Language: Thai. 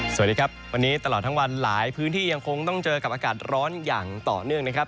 สวัสดีครับวันนี้ตลอดทั้งวันหลายพื้นที่ยังคงต้องเจอกับอากาศร้อนอย่างต่อเนื่องนะครับ